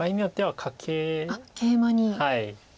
はい。